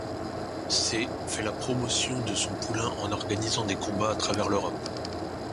Sée fait la promotion de son poulain en organisant des combats à travers l'Europe.